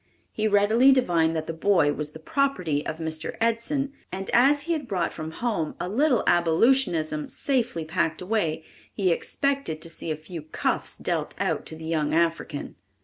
He readily divined that the boy was the property of Mr. Edson, and as he had brought from home a little abolitionism safely packed away, he expected to see a few cuffs dealt out to the young African.